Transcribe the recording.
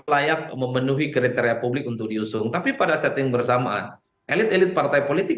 layak memenuhi kriteria publik untuk diusung tapi pada setting bersamaan elit elit partai politik